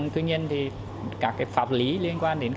tuy nhiên các pháp lý liên quan đến